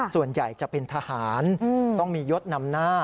ส่วนใหญ่จะเป็นทหารต้องมียศนำหน้า